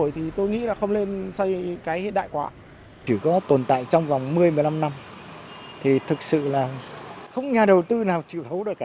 thì thực sự là không có nhà đầu tư nào chịu thấu được cả